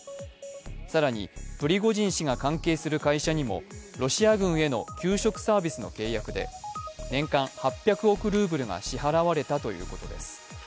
更にプリゴジン氏が関係する会社にもロシア軍への給食サービスの契約で年間８００億ルーブルが支払われたということです。